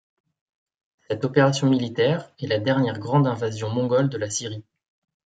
Cette opération militaire est la dernière grande invasion mongole de la Syrie.